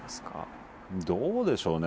どうでしょうね。